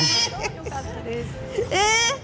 よかったです。